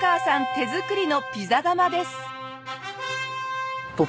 手作りのピザ窯です。